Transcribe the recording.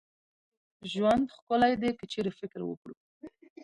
ژوند ښکلې دي که چيري فکر وکړو